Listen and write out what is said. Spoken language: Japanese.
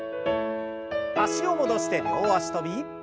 脚を戻して両脚跳び。